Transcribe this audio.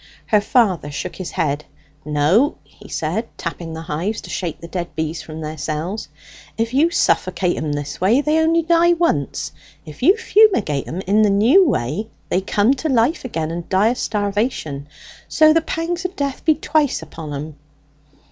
Her father shook his head. "No," he said, tapping the hives to shake the dead bees from their cells, "if you suffocate 'em this way, they only die once: if you fumigate 'em in the new way, they come to life again, and die o' starvation; so the pangs o' death be twice upon 'em."